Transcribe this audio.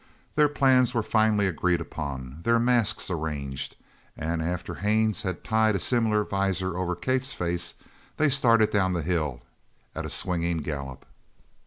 Their plans were finally agreed upon, their masks arranged, and after Haines had tied a similar visor over Kate's face, they started down the hill at a swinging gallop.